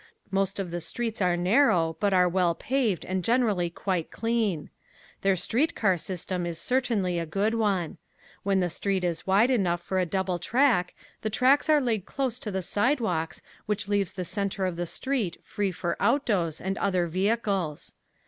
Most of the streets are narrow but are well paved and generally quite clean. Their street car system is certainly a good one. When the street is wide enough for a double track the tracks are laid close to the sidewalks which leaves the center of the street free for autos and other vehicles.